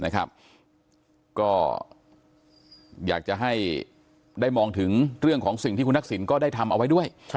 ก็อยากจะให้ได้มองถึงเรื่องของสิ่งที่คุณทักษิณก็ได้ทำเอาไว้ด้วย